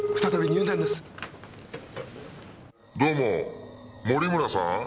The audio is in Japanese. どうも森村さん？